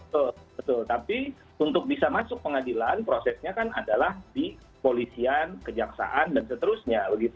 betul tapi untuk bisa masuk pengadilan prosesnya kan adalah di polisian kejaksaan dan seterusnya